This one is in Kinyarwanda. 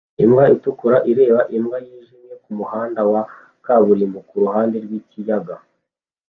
Imbwa itukura ireba imbwa yijimye kumuhanda wa kaburimbo kuruhande rwikiyaga